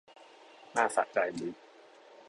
หน้าสะใจดี